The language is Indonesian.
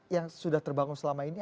yang sudah terbangun selama ini